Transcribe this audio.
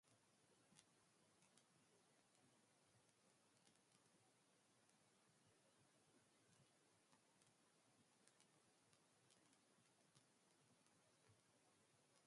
"Epiphyllum" species are added to some versions of the hallucinogenic drink ayahuasca.